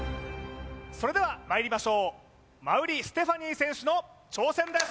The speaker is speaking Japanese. それではまいりましょう馬瓜ステファニー選手の挑戦です